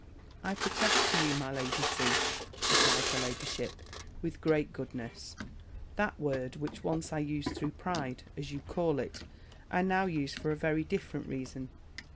"I protest to you, my Lady C.," replied her ladyship, with great goodness, "that word, which once I used through pride, as you'll call it, I now use for a very different reason.